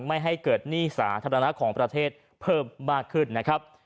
ไม่ให้เกิดหนี้สาธารณะของประเทศเพิ่มมากขึ้นนะครับ